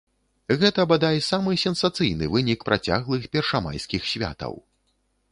Гэта, бадай, самы сенсацыйны вынік працяглых першамайскіх святаў.